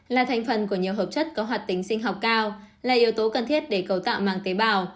là thành phần của nhiều hợp chất có hoạt tính sinh học cao là yếu tố cần thiết để cầu tạo mang tế bào